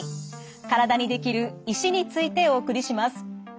体にできる石についてお送りします。